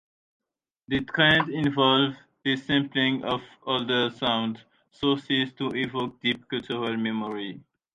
The trend involves the sampling of older sound sources to evoke deep cultural memory.